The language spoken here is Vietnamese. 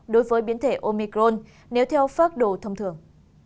đối với biến thể omicron nếu theo phác đồ thông thường